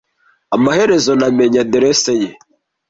Amaherezo namenye Aderesi ye